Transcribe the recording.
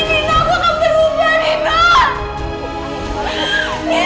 aku akan berubah nino